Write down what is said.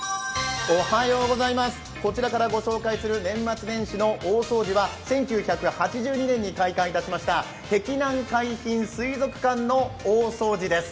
こちらからご紹介する年末年始の大掃除は、１９８２年に開館いたしました碧南海浜水族館の大掃除です。